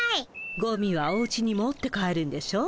ゴミはおうちに持って帰るんでしょ。